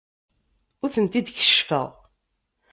Ur tent-id-keccfeɣ.